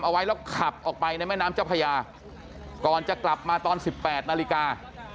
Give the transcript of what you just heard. เอาไว้แล้วขับออกไปในแม่น้ำเจ้าพญาก่อนจะกลับมาตอน๑๘นาฬิกา